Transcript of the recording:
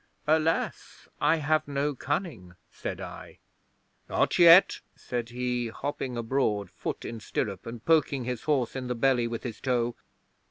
'"Alas, I have no cunning," said I. '"Not yet," said he, hopping abroad, foot in stirrup, and poking his horse in the belly with his toe.